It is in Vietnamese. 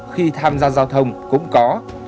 khi tham gia giao thông cũng có